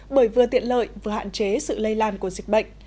bởi vừa tiện lợi vừa hạn chế sự lây lan của dịch bệnh